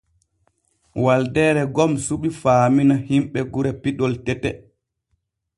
Waldeere gom suɓi faamina himɓe gure piɗol tete.